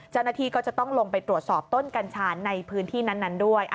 เจ้าหน้าที่ก็จะต้องลงไปตรวจสอบต้นกัญชาในพื้นที่นั้นด้วย